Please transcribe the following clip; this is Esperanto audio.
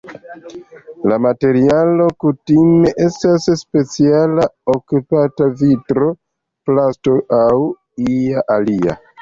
La materialo kutime estas speciala optika vitro, plasto aŭ ia alia.